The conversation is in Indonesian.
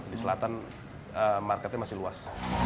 di selatan marketnya masih luas